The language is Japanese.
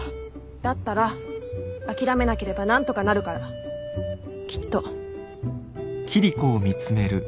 だったら諦めなければなんとかなるからきっと。